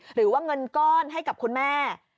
หรือว่าเงินก้อนให้กับคุณแม่